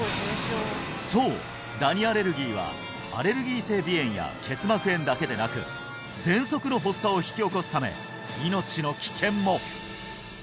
そうダニアレルギーはアレルギー性鼻炎や結膜炎だけでなく喘息の発作を引き起こすため命の危険も！